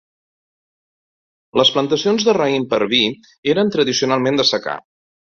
Les plantacions de raïm per a vi eren tradicionalment de secà.